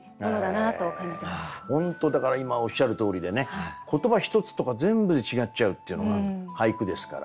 本当だから今おっしゃるとおりでね言葉一つとか全部で違っちゃうっていうのが俳句ですから。